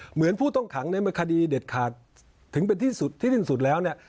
เหมือนผู้ต้องขังในมคดีเด็ดขาดถึงเป็นที่สุดที่สุดแล้ว